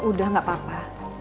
udah gak apa apa